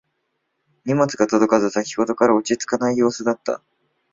荷物が届かず先ほどから落ち着かない様子だった